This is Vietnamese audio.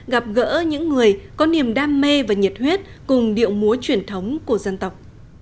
gặp gỡ những người có niềm đam mê và nhiệt huyết cùng điệu múa truyền thống của dân tộc